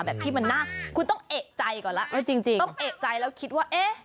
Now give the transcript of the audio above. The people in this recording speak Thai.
แบบที่มันน่าคุณต้องเอกใจก่อนแล้วจริงจริงต้องเอกใจแล้วคิดว่าเอ๊ะ